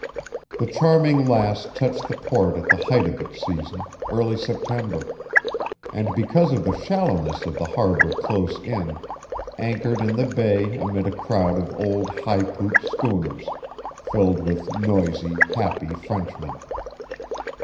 The Charming Lass touched the port at the height of its season early September and, because of the shallowness of the harbor close in, anchored in the bay amid a crowd of old high pooped schooners, filled with noisy, happy Frenchmen.